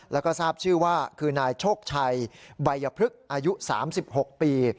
แล้วก็ทราบชื่อว่าคือนายโชคชัยใบยพฤกษ์อายุ๓๖ปี